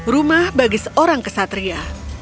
rumah bagi seorang kesatria